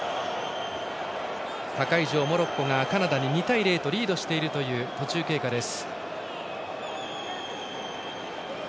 他会場、モロッコがカナダに２対０でリードしているという途中経過です。